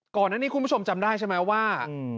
ก่อนอันนี้คุณผู้ชมจำได้ใช่ไหมว่า